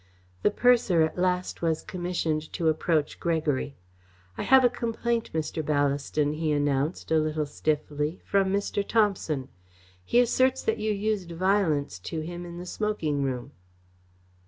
The purser at last was commissioned to approach Gregory. "I have a complaint, Mr. Ballaston," he announced, a little stiffly, "from Mr. Thomson. He asserts that you used violence to him in the smoking room."